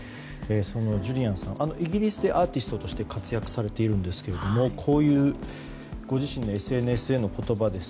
ジュリアンさんはイギリスでアーティストとして活躍されているんですがこういうご自身のＳＮＳでの言葉です。